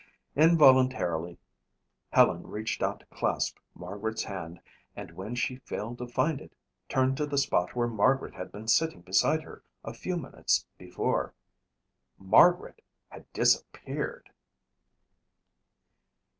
Involuntarily Helen reached out to clasp Margaret's hand and when she failed to find it, turned to the spot where Margaret had been sitting beside her a few minutes before. Margaret had disappeared!